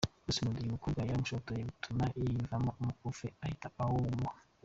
Bruce Melody uyu mukobwa yaramushotoye bituma yivanamo umukufi ahita awumuha.